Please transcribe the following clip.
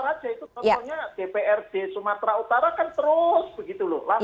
tentunya dprd sumatera utara kan terus begitu lho